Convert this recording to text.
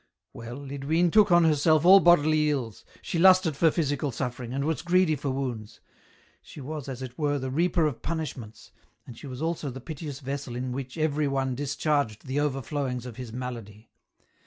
" Well, Lidwine took on herself all bodily ills, she lusted for physical suffering, and was greedy for wounds ; she was, as it were, the reaper of punishments, and she was also the piteous vessel in which everyone discharged the overflowings of his malady.